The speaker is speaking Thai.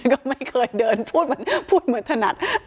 ก็ไม่เคยเดินพูดเหมือนถนัด